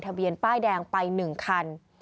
เบียนป้ายแดงไป๑คัน